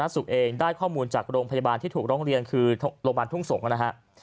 สุขเองได้ข้อมูลจากโรงพยาบาลที่ถูกร้องเรียนคือโรงพยาบาลทุ่งสงศ์นะฮะ